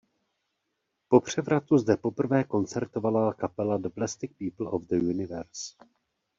Po převratu zde poprvé koncertovala kapela The Plastic People of the Universe.